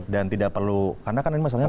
dan tidak perlu karena kan ini masalah